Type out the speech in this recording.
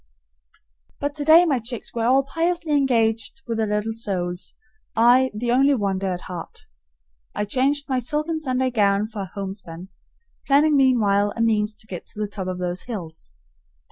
But today my chicks were all piously engaged with their little souls, I the only wanderer at heart. I changed my silken Sunday gown for homespun, planning meanwhile a means to get to the top of those hills.